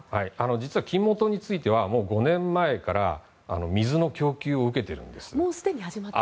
実は金門島についてはもう５年前から水の供給を受けているんですね。